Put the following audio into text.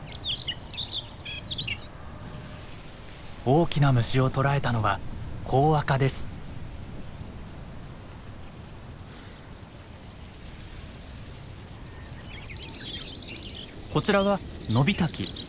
大きな虫を捕らえたのはこちらはノビタキ。